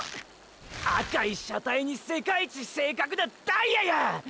赤い車体に世界一正確なダイヤや！！